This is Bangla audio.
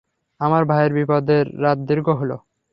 আমার ভাইয়ের বিপদের রাত দীর্ঘ হল।